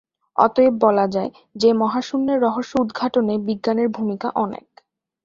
অতএব বলা যায় যে মহাশুন্যের রহস্য উদঘাটনে বিজ্ঞানের ভূমিকা অনেক।